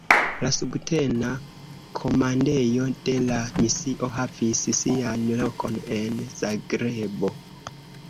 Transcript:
La subtena komandejo de la misio havis sian lokon en Zagrebo.